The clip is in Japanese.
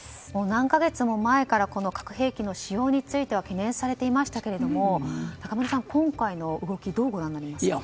何か月も前から核兵器の使用については懸念されていましたが今回の動きはどうご覧になりますか？